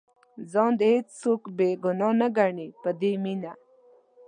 ځان دې هېڅوک بې ګناه نه ګڼي په دې مینه.